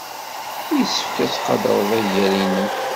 Yessefk ad tqadred agal-nnem.